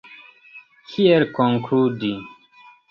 Kiel konkludi?